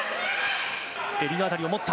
襟の辺りを持った。